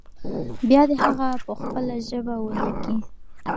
بيا دې هغه په خپله ژبه ولیکي.